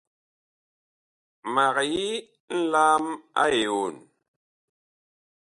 Mag yi nlaam a eon.